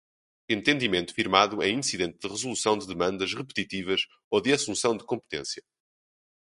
entendimento firmado em incidente de resolução de demandas repetitivas ou de assunção de competência